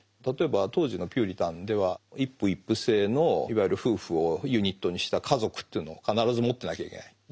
例えば当時のピューリタンでは一夫一婦制のいわゆる夫婦をユニットにした家族というのを必ず持ってなきゃいけない。